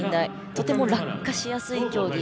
とても落下しやすい競技。